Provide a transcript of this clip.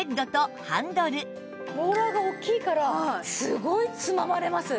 ローラーが大きいからすごいつままれます。